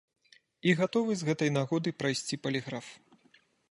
І гатовы з гэтай нагоды прайсці паліграф.